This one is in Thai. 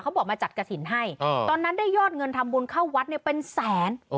บอกมาจัดกระถิ่นให้ตอนนั้นได้ยอดเงินทำบุญเข้าวัดเนี่ยเป็นแสน